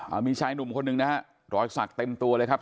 เอามีชายหนุ่มคนหนึ่งนะฮะรอยสักเต็มตัวเลยครับ